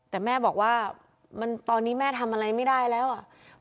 แต่แม่บอกว่าตอนนี้แม่ทำอะไรไม่ได้แล้วอ่ะ